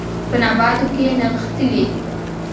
په نباتو کې نغښتلي